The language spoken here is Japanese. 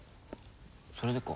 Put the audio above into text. それでか。